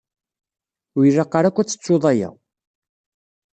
Ur ilaq ara akk ad tettuḍ aya.